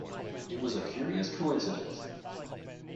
It was a curious coincidence.